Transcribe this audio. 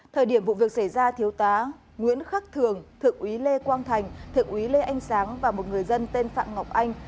thời điểm vụ việc xảy ra thiếu tá nguyễn khắc thường thượng úy lê quang thành thượng úy lê anh sáng và một người dân tên phạm ngọc anh